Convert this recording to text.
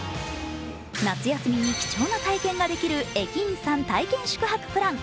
夏休みに貴重な体験ができる駅員さん体験宿泊プラン。